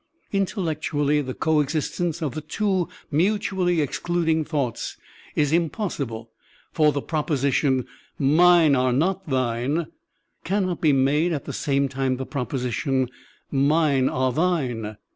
Intellectually, the coexistence of the two mutually excluding thoughts is impossible, for the proposition, "Mine are not thine,'* cannot be made at the same time the proposition, "Mine are thine.